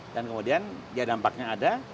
dan kemudian ya dampaknya ada